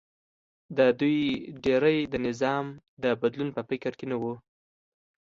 د دوی ډېری د نظام د بدلون په فکر کې نه و